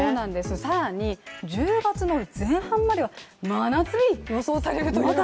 更に１０月の前半までは真夏日が予想されるということで。